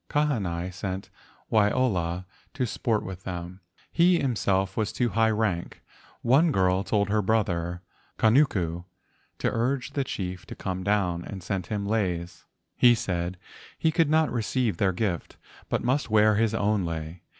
Kahanai sent Waiola to sport with them. He himself was of too high rank. One girl told her brother Kanuku to urge the chief to come down, and sent him leis. He said he could not receive their gift, but must wear his own lei.